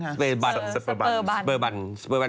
สเปอร์บรรวม